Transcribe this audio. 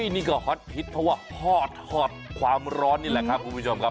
นี่ก็ฮอตฮิตเพราะว่าทอดความร้อนนี่แหละครับคุณผู้ชมครับ